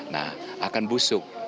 nah akan busuk